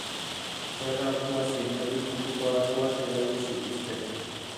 Ferra arkua zein erdi puntuko arkuak erabili zituzten.